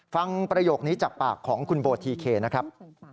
ประโยคนี้จากปากของคุณโบทีเคนะครับ